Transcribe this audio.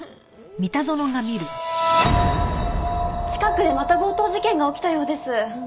近くでまた強盗事件が起きたようです。